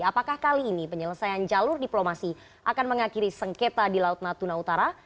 apakah kali ini penyelesaian jalur diplomasi akan mengakhiri sengketa di laut natuna utara